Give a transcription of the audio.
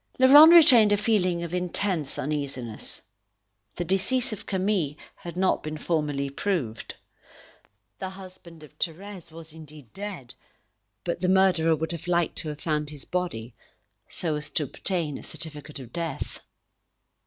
Laurent retained a feeling of intense uneasiness. The decease of Camille had not been formally proved. The husband of Thérèse was indeed dead, but the murderer would have liked to have found his body, so as to obtain a certificate of death.